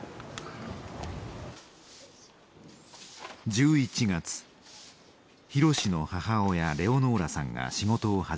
１１月博の母親レオノーラさんが仕事を始めました。